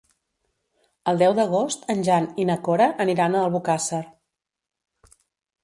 El deu d'agost en Jan i na Cora aniran a Albocàsser.